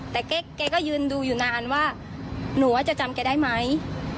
แต่แกก็ยืนดูอยู่นานว่าหนูว่าจะจำแกได้ไหม